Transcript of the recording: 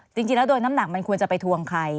จริงแล้วโดนน้ำหนักมันควรจะไปทวงใคร